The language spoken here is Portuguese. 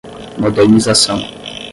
modernização